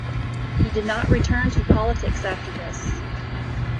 He did not return to politics after this.